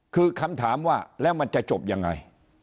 คือคำถามว่าแล้วมันจะจบยังไง